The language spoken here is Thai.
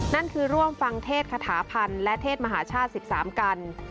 นั่นคือร่วมฟังเทศคาถาพันธ์และเทศมหาชาติ๑๓กัน